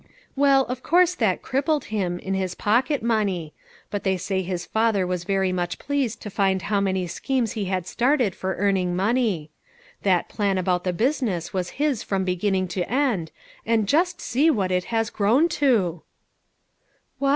Well, of course that crippled him, in his pocket money, but they say his father was very much pleased to find how many schemes he had started for earning money. That plan about the business was his from beginning to end, and just see what it has grown to !"" What